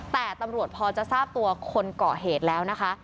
แต่ตำรวจพอจะทราบตัวคนเกาะเหตุแล้วนะคะ